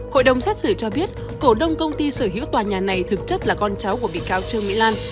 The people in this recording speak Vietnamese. hội đồng xét xử cho biết cổ đông công ty sở hữu tòa nhà này thực chất là con cháu của bị cáo trương mỹ lan